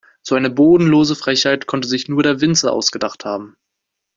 So eine bodenlose Frechheit konnte sich nur der Winzer ausgedacht haben.